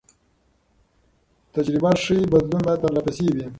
تجربه ښيي بدلون باید پرله پسې وي.